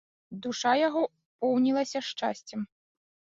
Душа яго поўнілася шчасцем.